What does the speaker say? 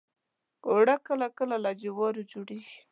اوړه کله کله له جوارو جوړیږي